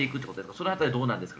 その辺りどうなんですか？